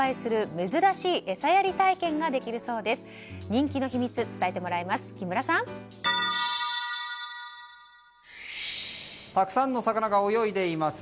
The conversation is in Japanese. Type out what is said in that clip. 人気の秘密、伝えてもらいます。